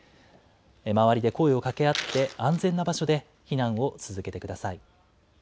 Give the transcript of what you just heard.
周りで声をかけ合って、安全な場所で避難を続けてください。